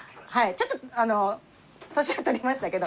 ちょっとあの年を取りましたけど。